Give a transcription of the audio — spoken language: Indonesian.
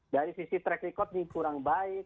dari sisi track record ini kurang baik